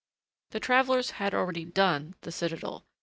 The travelers had already "done" the Citadel.